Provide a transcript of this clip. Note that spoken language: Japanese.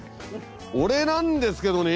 俺なんですけどね。